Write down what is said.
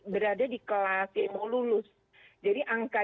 berada di kelas yang mau lulus jadi angka